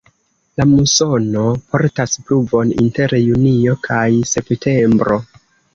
La musono portas pluvon inter junio kaj septembro.